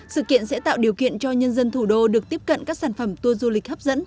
sự kiện sẽ tạo điều kiện cho nhân dân thủ đô được tiếp cận các sản phẩm tour du lịch hấp dẫn